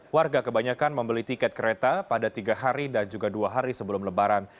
warga kebanyakan membeli tiket kereta pada tiga hari dan juga dua hari sebelum lebaran